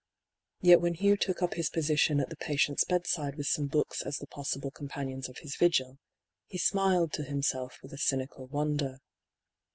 Yet when Hugh took up his position at the patient's bedside with some books as the possible companions of his vigil, he smiled to himself with a cynical wonder.